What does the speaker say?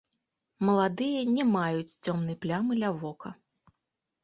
Маладыя не маюць цёмнай плямы ля вока.